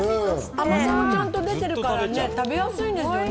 甘さも、ちゃんと出ているから食べやすいですよね。